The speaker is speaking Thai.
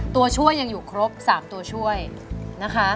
ตัวช่วยยังอยู่ครบ๓ตัวช่วยนะคะ